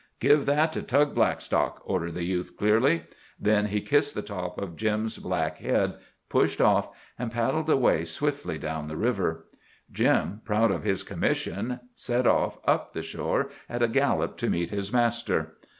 "Give that to Tug Blackstock," ordered the youth clearly. Then he kissed the top of Jim's black head, pushed off, and paddled away swiftly down river. Jim, proud of his commission, set off up the shore at a gallop to meet his master.